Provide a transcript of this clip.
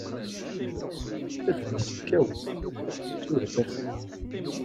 Ifadden-is kkawen, ifassen-is urzen.